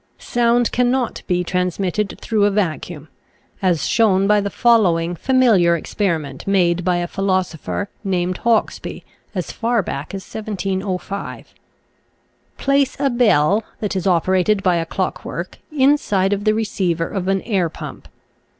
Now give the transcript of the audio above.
Sound cannot be transmitted through a vacuum, as shown by the following familiar experiment made by a philosopher named Hawksbee as far back as 1705. Place a bell that is operated by a clock work inside of the receiver of an air pump.